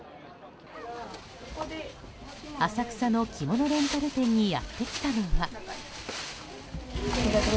浅草の着物レンタル店にやって来たのは。